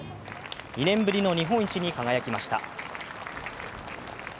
２年ぶりの日本一に輝きました。